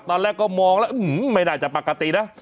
ตอนแรกก็มองแล้วไม่น่าจะปกตินะ